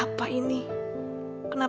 akan aku lihat